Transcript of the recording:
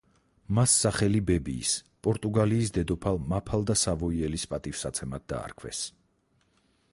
მას სახელი ბებიის, პორტუგალიის დედოფალ მაფალდა სავოიელის პატივსაცემად დაარქვეს.